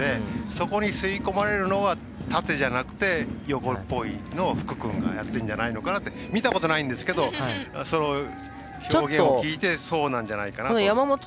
そこに吸い込まれるのは縦じゃなくて横っていうのを福くんはやってるんじゃないのかなって見たことないんですがその表現を聞いてそうなんじゃないかと。